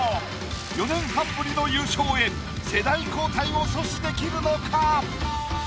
４年半ぶりの優勝へ世代交代を阻止できるのか？